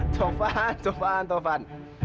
tuhan tuhan tuhan